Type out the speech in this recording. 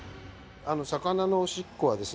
魚のおしっこはですね